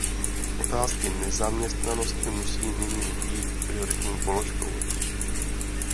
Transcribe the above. Otázky zaměstnanosti musí nyní být prioritní položkou.